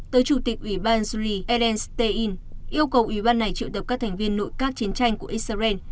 tới chủ tịch ủy ban juli edin yêu cầu ủy ban này triệu tập các thành viên nội các chiến tranh của israel